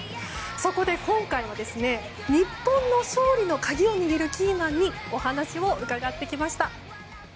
そこで、今回は日本の勝利の鍵を握るキーマンにお話を伺ってきました。